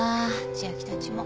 千明たちも。